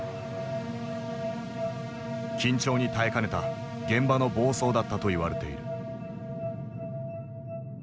緊張に耐えかねた現場の暴走だったといわれている。